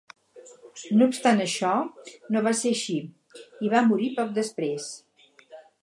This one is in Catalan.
No obstant això, no va ser així, i va morir poc després.